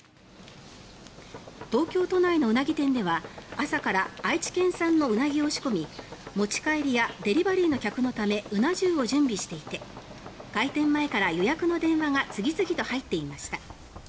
東京都内のウナギ店では朝から愛知県産のウナギを仕込み持ち帰りやデリバリーの客のためうな重を準備していて開店前から予約の電話が次々と入っていました。